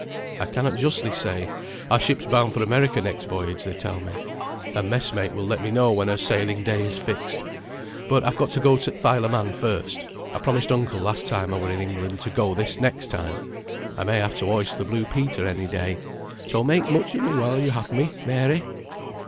"I cannot justly say; our ship's bound for America next voyage, they tell me. A mess mate will let me know when her sailing day is fixed; but I've got to go to th' Isle o' Man first. I promised uncle last time I were in England to go this next time. I may have to hoist the blue Peter any day; so, make much of me while you have me, Mary."